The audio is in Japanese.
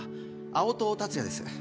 青戸達也です